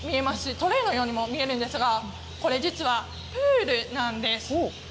トレーのようにも見えるんですが、これ実はプールなんです。